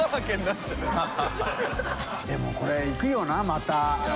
でもこれ行くよなまた。